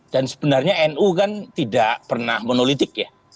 dan sebenarnya nu kan tidak pernah monolitik ya